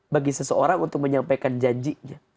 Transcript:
bagi seseorang untuk menyampaikan janjinya